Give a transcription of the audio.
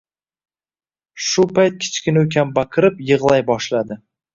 Shu payt kichkina ukam baqirib yigʻlay boshladi.